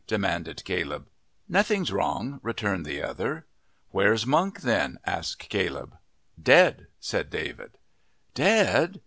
demanded Caleb. "Nothing's wrong," returned the other. "Where's Monk then?" asked Caleb. "Dead," said David. "Dead!